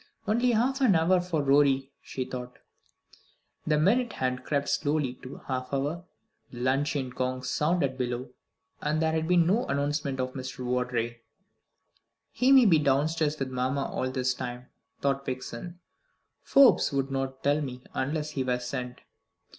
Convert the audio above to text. "Only half an hour for Rorie," she thought. The minute hand crept slowly to the half hour, the luncheon gong sounded below, and there had been no announcement of Mr. Vawdrey. "He may be downstairs with mamma all this time," thought Vixen. "Forbes would not tell me, unless he were sent."